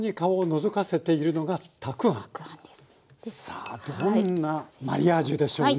さあどんなマリアージュでしょうね。